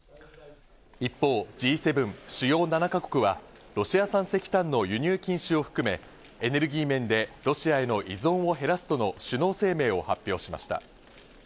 一方、Ｇ７＝主要７か国はロシア産石炭の輸入禁止を含め、エネルギー面でロシアへの依存を減らすとの首脳声明を発表しました。